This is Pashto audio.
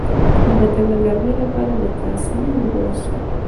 د بدن د ګرمۍ لپاره د کاسني اوبه وڅښئ